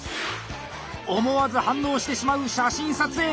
思わず反応してしまう写真撮影。